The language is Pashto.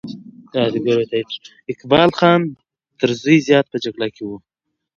اقبال خان تر زوی زیات په جګړه کې وو.